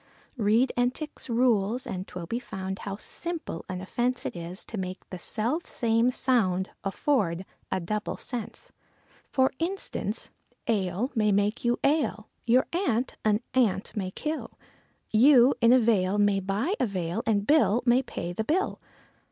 Read Entick's rules, and 'twill be found, how simple an offence It is to make the self same sound afford a double sense. For instance, ale may make you ail, your aunt an ant may kill, You in a vale may buy a veil and Bill may pay the bill.